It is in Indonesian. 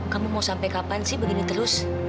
kamu mau sampai kapan sih begini terus